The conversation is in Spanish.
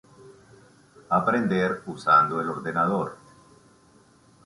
Aprender usando el ordenador.